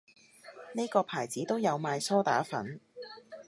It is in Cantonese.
呢個牌子都有賣梳打粉